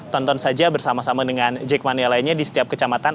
tonton saja bersama sama dengan jackmania lainnya di setiap kecamatan